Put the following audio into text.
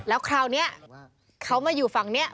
แล้วคราวนี้เขามาอยู่ฝั่งนี้